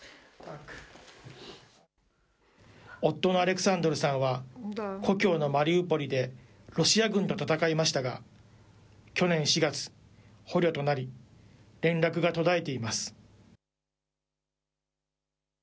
夫のアレクサンドルさんは故郷のマリウポリでロシア軍と戦いましたが、去年４月、捕虜となり、連絡が途絶えています。